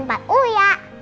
pak u ya